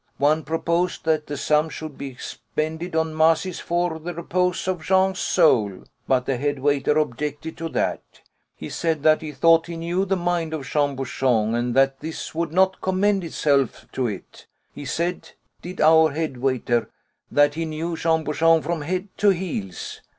One proposed that the sum should be expended on masses for the repose of Jean's soul. But the head waiter objected to that. He said that he thought he knew the mind of Jean Bouchon, and that this would not commend itself to it. He said, did our head waiter, that he knew Jean Bouchon from head to heels.